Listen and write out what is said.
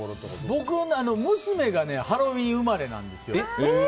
僕、娘がハロウィーン生まれなんですよ。